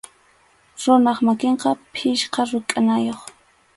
Runap makinqa pichqa rukʼanayuq.